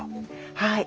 はい。